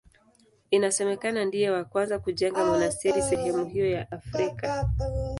Inasemekana ndiye wa kwanza kujenga monasteri sehemu hiyo ya Afrika.